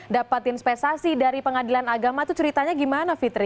dapat investasi dari pengadilan agama itu ceritanya gimana fitri